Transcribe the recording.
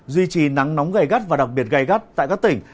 duy trì nắng nóng gây gắt và đặc biệt gai gắt tại các tỉnh